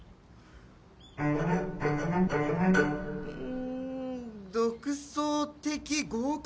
ん独創的合格。